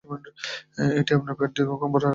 এটি আপনার পেট দীর্ঘক্ষণ ভরা রাখে।